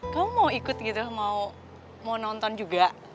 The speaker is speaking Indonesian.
kamu mau ikut gitu mau nonton juga